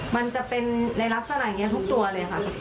มันจะเป็นในลักษณะอย่างนี้ทุกตัวเลยค่ะ